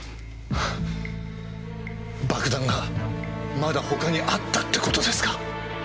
爆弾がまだ他にあったって事ですか？